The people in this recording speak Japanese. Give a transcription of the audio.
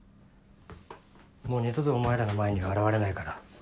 もう二度とお前らの前には現れないから。